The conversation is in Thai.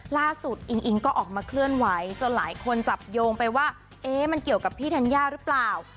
อิงอิงก็ออกมาเคลื่อนไหวจนหลายคนจับโยงไปว่าเอ๊ะมันเกี่ยวกับพี่ธัญญาหรือเปล่า